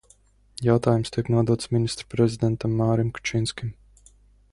Jautājums tiek nodots Ministru prezidentam Mārim Kučinskim.